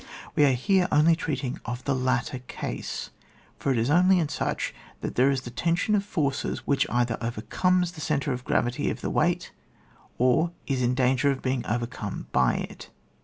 We are here only treating of the latter case, for it is only in such that there is that tension of forces which either overcomes the centre of gravity of the weight, or is in danger of being overcome by it.